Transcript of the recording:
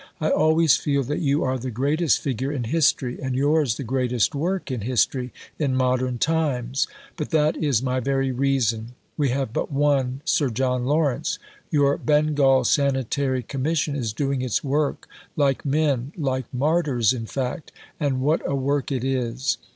I always feel that you are the greatest figure in history, and yours the greatest work in history, in modern times. But that is my very reason. We have but one Sir John Lawrence. Your Bengal Sanitary Commission is doing its work, like men like martyrs, in fact, and what a work it is!